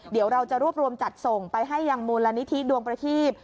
เดี๋ยวเราจะรวบรวมจัดส่งไปให้ยังมูลนิธิดวงประทีป